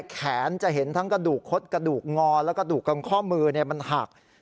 แขนจะเห็นทั้งกระดูกคดกระดูกงอและกระดูกกลางข้อมือมันหัก